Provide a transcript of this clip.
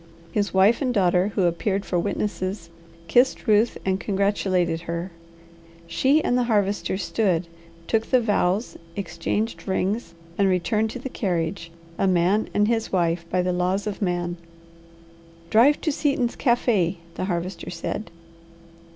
His wife and daughter, who appeared for witnesses, kissed Ruth, and congratulated her. She and the Harvester stood, took the vows, exchanged rings, and returned to the carriage, a man and his wife by the laws of man. "Drive to Seaton's cafe'," the Harvester said.